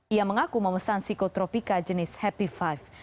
ia mengaku memesan psikotropika jenis happy five